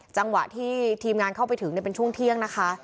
จังหวะที่ทีมงานเข้าไปถึงเป็นช่วงเที่ยงนะคะ